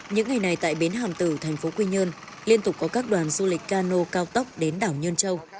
những ngày này tại bến hàm tử thành phố quy nhơn liên tục có các đoàn du lịch cano cao tốc đến đảo nhơn châu